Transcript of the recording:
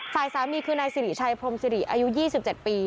ฝ่ายสามีคือนายสิริชัยพรมสิริอายุ๒๗ปี